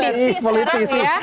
dan ini politik sih sekarang ya